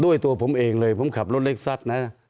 ตัวผมเองเลยผมขับรถเล็กซัดนะ